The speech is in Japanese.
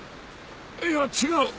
いや違う。